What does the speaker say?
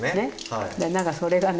何かそれがね